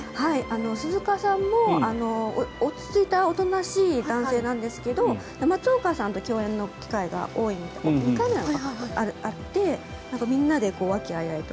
鈴鹿さんも落ち着いたおとなしい男性なんですが松岡さんと共演の機会が多いのでみんなで和気あいあいと。